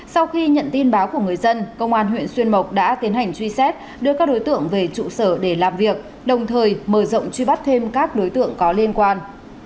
sau khi nhận tin báo của người dân công an huyện xuyên mộc đã tiến hành truy xét đưa các đối tượng về trụ sở để làm việc đồng thời mở rộng truy bắt thêm các đối tượng có liên quan